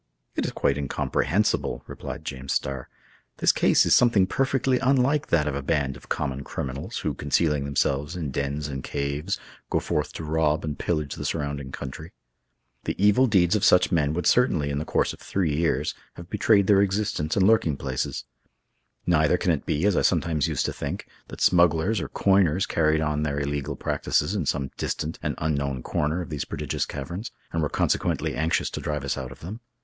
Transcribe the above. "It is quite incomprehensible," replied James Starr. "This case is something perfectly unlike that of a band of common criminals, who, concealing themselves in dens and caves, go forth to rob and pillage the surrounding country. The evil deeds of such men would certainly, in the course of three years have betrayed their existence and lurking places. Neither can it be, as I sometimes used to think, that smugglers or coiners carried on their illegal practices in some distant and unknown corner of these prodigious caverns, and were consequently anxious to drive us out of them.